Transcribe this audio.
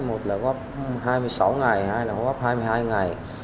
một là góp hai mươi sáu ngày hai là góp hai mươi hai ngày